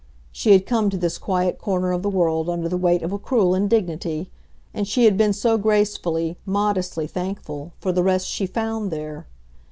She had come to this quiet corner of the world under the weight of a cruel indignity, and she had been so gracefully, modestly thankful for the rest she found there.